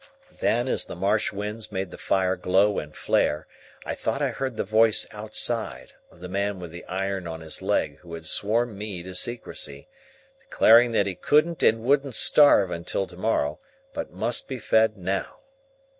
Then, as the marsh winds made the fire glow and flare, I thought I heard the voice outside, of the man with the iron on his leg who had sworn me to secrecy, declaring that he couldn't and wouldn't starve until to morrow, but must be fed now.